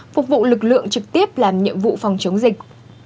phục vụ lực lượng trực tiếp làm nhiệm vụ phòng chống dịch